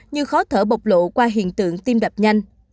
như khó thở bột lộ qua hiện tượng tim đập nhanh